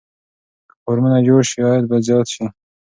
که فارمونه جوړ شي عاید به زیات شي.